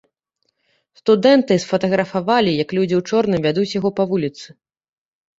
Студэнты сфатаграфавалі, як людзі ў чорным вядуць яго па вуліцы.